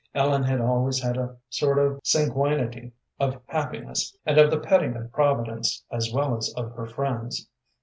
Ellen had always had a sort of sanguinity of happiness and of the petting of Providence as well as of her friends.